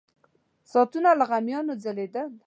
ساعتونه له غمیانو ځلېدل.